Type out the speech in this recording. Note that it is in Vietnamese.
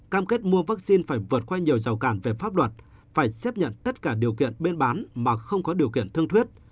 cam kết mua vaccine phải vượt qua nhiều rào cản về pháp luật phải chấp nhận tất cả điều kiện bên bán mà không có điều kiện thương thuyết